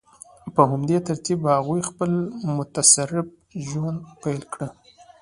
په همدې ترتیب هغوی خپل متصرف ژوند پیل کړ.